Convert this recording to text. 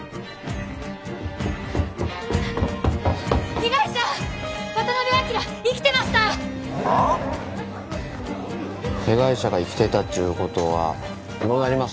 被害者が生きていたっちゅうことはどうなります？